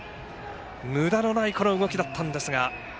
むだのないこの動きだったんですが。